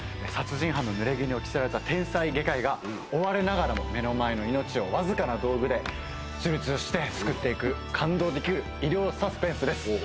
殺人犯のぬれぎぬを着せられた天才外科医が追われながらも目の前の命をわずかな道具で手術して救って行く感動できる医療サスペンスです。